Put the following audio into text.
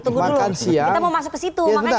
tunggu dulu makan siang kita mau masuk ke situ